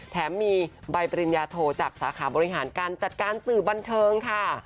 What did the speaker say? แถมมีใบปริญญาโทจากสาขาบริหารการจัดการสื่อบันเทิงค่ะ